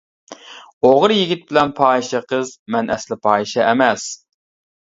ئوغرى يىگىت بىلەن پاھىشە قىز، مەن ئەسلى پاھىشە ئەمەس.